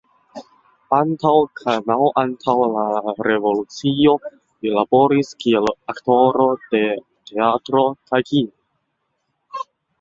Antaŭ kaj malantaŭ la revolucio li laboris kiel aktoro de teatro kaj kino.